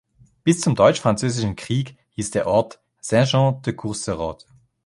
Bis zum Deutsch-Französischen Krieg hieß der Ort "Saint-Jean-de-Courtzerode".